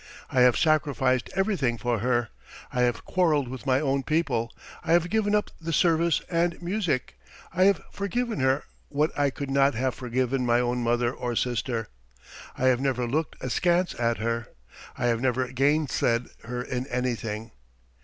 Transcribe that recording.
I have sacrificed everything for her; I have quarrelled with my own people, I have given up the service and music, I have forgiven her what I could not have forgiven my own mother or sister ... I have never looked askance at her. ... I have never gainsaid her in anything.